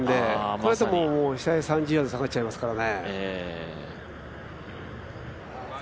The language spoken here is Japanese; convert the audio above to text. これだともう下に３０ヤード下がっちゃいますからね。